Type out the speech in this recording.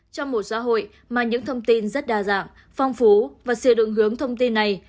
trong một xã hội mà những thông tin rất đa dạng phong phú và sửa định hướng thông tin này